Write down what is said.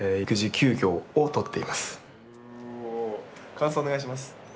感想お願いします。